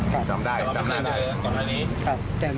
เจอไม่ค่อยแล้ว